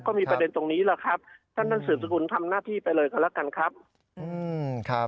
ก็มีประเด็นตรงนี้แหละครับท่านท่านสืบสกุลทำหน้าที่ไปเลยก็แล้วกันครับอืมครับ